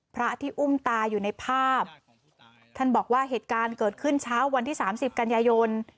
พระที่อุ้มตาอยู่ในภาพท่านบอกว่าเหตุการณ์เกิดขึ้นเช้าวันที่สามสิบกันยายน